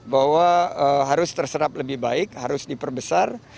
bahwa harus terserap lebih baik harus diperbesar